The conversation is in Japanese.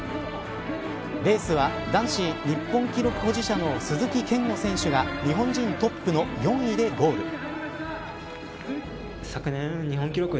レースは男子日本記録保持者の鈴木健吾選手が日本人トップの４位でゴール。